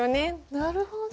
なるほど。